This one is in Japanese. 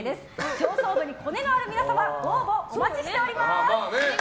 上層部にコネのある皆様ご応募お待ちしております。